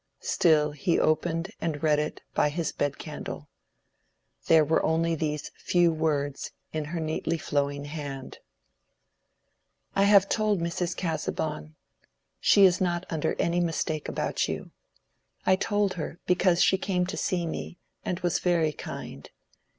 Still, he opened and read it by his bed candle. There were only these few words in her neatly flowing hand:— "I have told Mrs. Casaubon. She is not under any mistake about you. I told her because she came to see me and was very kind.